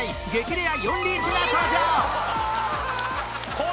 レア４リーチが登場！